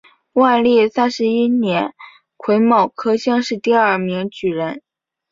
万历三十一年癸卯科乡试第二名举人。